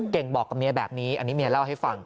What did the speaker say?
บอกกับเมียแบบนี้อันนี้เมียเล่าให้ฟัง